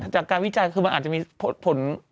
วิจัยคือมันอาจจะมีผล